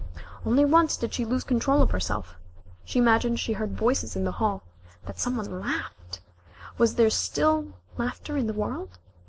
Only once did she lose control of herself. She imagined she heard voices in the hall that some one laughed was there still laughter in the world?